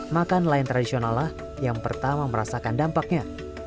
makan nelayan tradisional lah yang pertama merasakan dampaknya